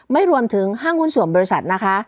ไม่รวมถึงห้างหุ้นส่วนบริษัทนะคะ